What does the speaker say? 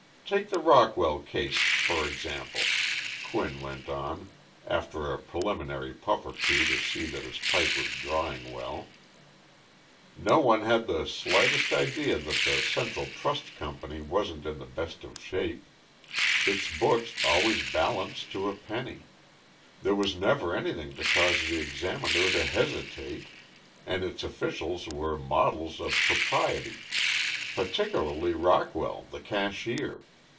Take the Rockwell case, for example [Quinn went on, after a preliminary puff or two to see that his pipe was drawing well]. No one had the slightest idea that the Central Trust Company wasn't in the best of shape. Its books always balanced to a penny. There was never anything to cause the examiner to hesitate, and its officials were models of propriety. Particularly Rockwell, the cashier.